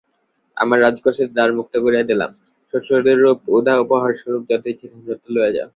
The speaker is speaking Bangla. আমার রাজকোষের দ্বার মুক্ত করিয়া দিলাম, শ্বশুরের উপহারস্বরূপ যত ইচ্ছা ধনরত্ন লইয়া যাও।